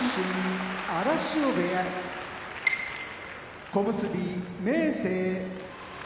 荒汐部屋小結・明生